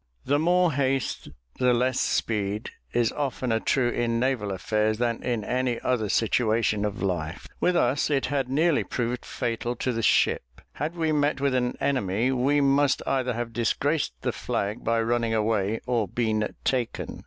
"The more haste the less speed," is oftener true in naval affairs than in any other situation of life. With us it had nearly proved fatal to the ship. Had we met with an enemy, we must either have disgraced the flag by running away, or been taken.